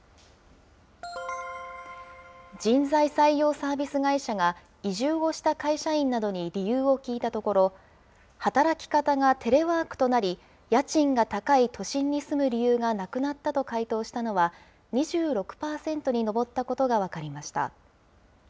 人材採用サービス会社が、移住をした会社員などに理由を聞いたところ、働き方がテレワークとなり、家賃が高い都心に住む理由がなくなったと回答したのは２６％に上ったことが分かりました。